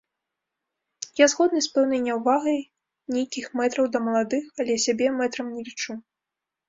Я згодны з пэўнай няўвагай нейкіх мэтраў да маладых, але сябе мэтрам не лічу.